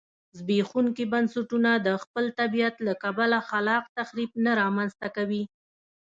زبېښونکي بنسټونه د خپل طبیعت له کبله خلاق تخریب نه رامنځته کوي